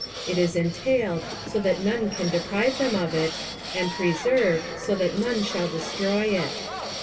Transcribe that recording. It is entailed, so that none can deprive them of it, ■od preserved, so that none shall destroy it.